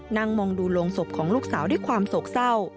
นั่งมองดูโรงศพของลูกสาวด้วยความโศกเศร้า